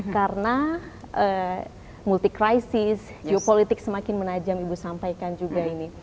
karena multi krisis geopolitik semakin menajam ibu sampaikan juga ini